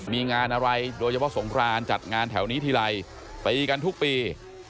มีงานอะไรโดยเฉพาะสงครานจัดงานแถวนี้ทีไรตีกันทุกปี